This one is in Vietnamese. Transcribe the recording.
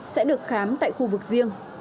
sẽ được khám tại khu vực riêng